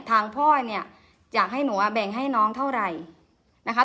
ทางพ่อเนี่ยอยากให้หนูแบ่งให้น้องเท่าไหร่นะคะ